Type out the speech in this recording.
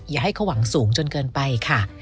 อย่าให้เขาหวังสูงจนเกินไปค่ะ